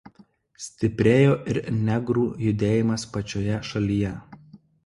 Stiprėjo ir negrų judėjimas pačioje šalyje.